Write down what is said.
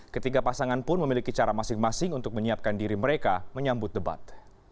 ketiga pasangan pun memiliki cara masing masing untuk menyiapkan diri mereka menyambut debat